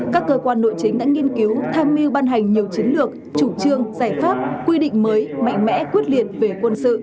các cơ quan nội chính đã nghiên cứu tham mưu ban hành nhiều chiến lược chủ trương giải pháp quy định mới mạnh mẽ quyết liệt về quân sự